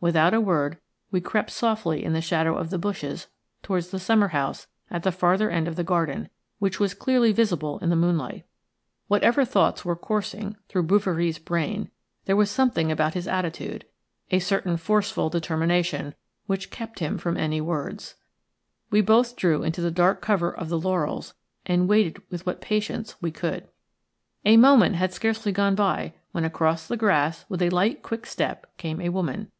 Without a word we crept softly in the shadow of the bushes towards the summer house at the farther end of the garden , which was clearly visible in the moonlight. Whatever thoughts were coursing through Bouverie's brain there was something about his attitude, a certain forceful determination, which kept him from any words. We both drew into the dark cover of the laurels and waited with what patience we could. A moment had scarcely gone by when across the grass with a light, quick step came a woman.